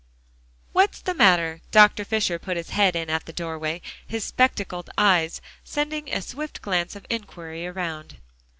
"What's the matter?" Dr. Fisher put his head in at the doorway, his spectacled eyes sending a swift glance of inquiry around.